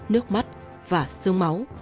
nước mắt và sương máu